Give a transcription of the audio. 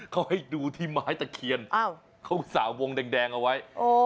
เขาให้ดูที่ไม้ตะเคียนเขาสระวงแดงเอาไว้